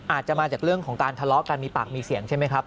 อาจจะมาจากเรื่องของการทะเลาะกันมีปากมีเสียงใช่ไหมครับ